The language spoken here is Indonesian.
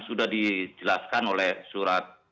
sudah dijelaskan oleh surat